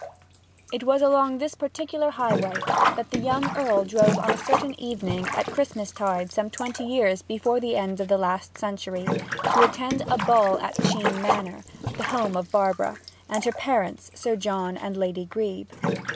It was along this particular highway that the young Earl drove on a certain evening at Christmastide some twenty years before the end of the last century, to attend a ball at Chene Manor, the home of Barbara, and her parents Sir John and Lady Grebe.